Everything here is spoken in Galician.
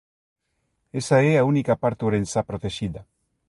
Esa é a única parte ourensá protexida.